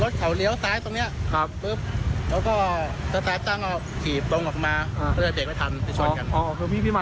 คือเห็นล่ะมันถึงแล้ว